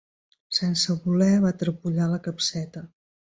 Sense voler va trepollar la capseta.